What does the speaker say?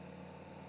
nggak ada pakarnya